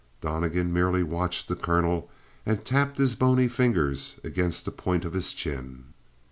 Donnegan merely watched the colonel and tapped his bony finger against the point of his chin.